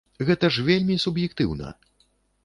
Гэта ж вельмі суб'ектыўна!